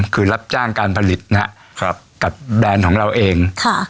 คือรับจ้างการผลิตนะครับกับแบรนด์ของเราเอง